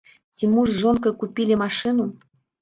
Ці муж з жонкай купілі машыну.